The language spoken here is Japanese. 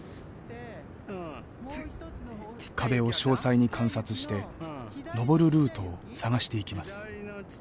壁を詳細に観察して登るルートを探していきます。